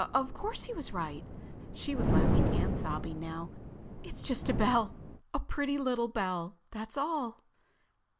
Of course he was right." She was laughing and sobbing now. "It's just a bell, a pretty little bell, that's all."